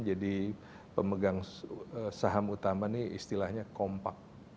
jadi pemegang saham utama ini istilahnya kompak